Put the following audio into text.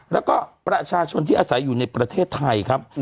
แล้วก็ประชาชนที่อาศัยอยู่ในประเทศไทยครับ